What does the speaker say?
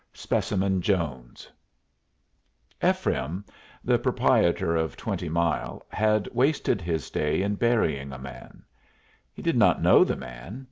SPECIMEN JONES Ephraim, the proprietor of Twenty Mile, had wasted his day in burying a man. He did not know the man.